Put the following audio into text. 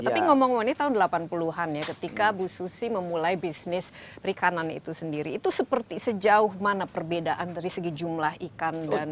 tapi ngomong ngomong ini tahun delapan puluh an ya ketika bu susi memulai bisnis perikanan itu sendiri itu seperti sejauh mana perbedaan dari segi jumlah ikan dan